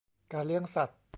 การเลี้ยงสัตว์